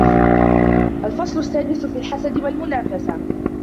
الْفَصْلُ السَّادِسُ فِي الْحَسَدِ وَالْمُنَافَسَةِ